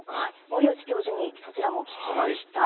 森内教授に、そちらも聞きました。